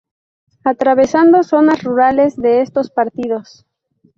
Atravesando zonas rurales de estos partidos.